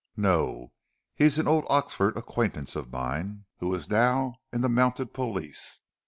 "No; he is an old Oxford acquaintance of mine, who is now in the Mounted Police."